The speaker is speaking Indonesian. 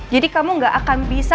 jadi kamu gak akan bisa